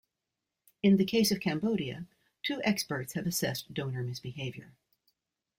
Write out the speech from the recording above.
In the case of Cambodia, two experts have assessed donor misbehaviour.